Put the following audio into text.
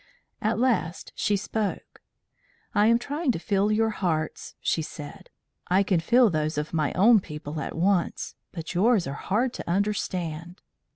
At last she spoke. "I am trying to feel your hearts," she said. "I can feel those of my own people at once, but yours are hard to understand."